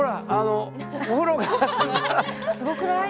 すごくない？